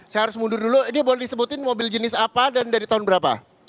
saya harus mundur dulu ini boleh disebutin mobil jenis apa dan dari tahun berapa